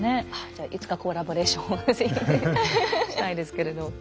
じゃあいつかコラボレーションを是非したいですけれど。